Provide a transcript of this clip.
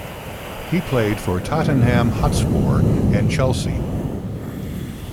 He played for Tottenham Hotspur and Chelsea.